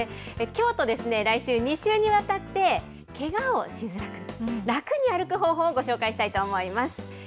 きょうとですね、来週、２週にわたって、けがをしづらくて、楽に歩く方法をご紹介したいと思います。